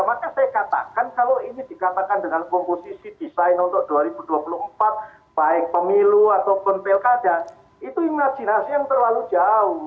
maka saya katakan kalau ini dikatakan dengan komposisi desain untuk dua ribu dua puluh empat baik pemilu ataupun pilkada itu imajinasi yang terlalu jauh